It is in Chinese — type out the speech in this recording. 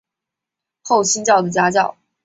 后倾角的夹角。